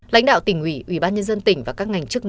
lãnh đạo tỉnh ủy ủy ban nhân dân tỉnh